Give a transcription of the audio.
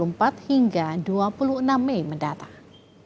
rekernas pdip akan digelar dua puluh empat hingga dua puluh enam mei mendatang